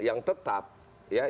yang ditetapkan oleh pemerintah